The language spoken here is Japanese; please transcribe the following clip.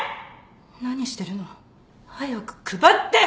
何してるの早く配って！